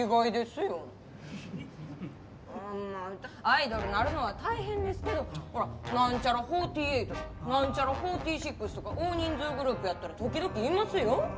アイドルなるのは大変ですけどなんちゃら４８とかなんちゃら４６とか大人数グループやったら時々いますよ。